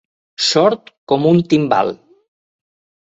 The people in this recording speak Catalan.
Sord com un timbal.